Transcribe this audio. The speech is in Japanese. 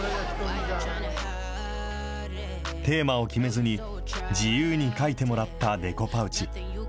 テーマを決めずに自由に描いてもらったデコパウチ。